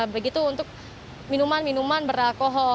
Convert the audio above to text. begitu untuk minuman minuman beralkohol